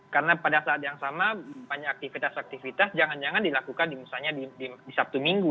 karena pada saat yang sama banyak aktivitas aktivitas jangan jangan dilakukan misalnya di sabtu minggu